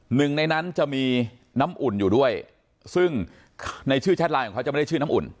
หนึ่งในนั้นจะมีน้ำอุ่นอยู่ด้วยซึ่งในชื่อแชทไลน์ของเขาจะไม่ได้ชื่อน้ำอุ่น